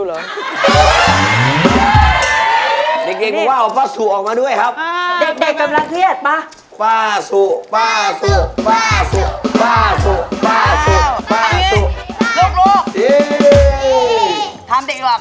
ที่ทำได้หรอก